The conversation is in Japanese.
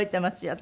私。